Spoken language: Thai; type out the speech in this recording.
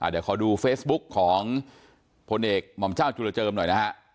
เดี๋ยวขอดูเฟซบุ๊กของพลเอกหม่อมเจ้าจุลเจิมหน่อยนะฮะ